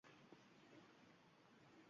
Farzand tarbiyasiga qoyil qoldim.